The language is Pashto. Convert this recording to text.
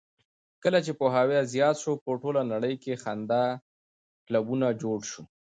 کله چې پوهاوی زیات شو، په ټوله نړۍ کې خندا کلبونه جوړ شول.